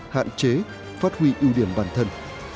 đạn chế phát huy ưu điểm bản thân